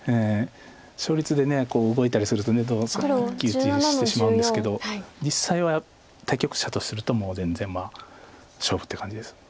勝率で動いたりするとどうも一喜一憂してしまうんですけど実際は対局者とすると全然まあ勝負って感じです。